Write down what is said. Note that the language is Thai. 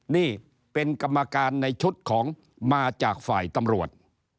นี่เป็นกรรมการในชุดของมาจากฝ่ายตำรวจ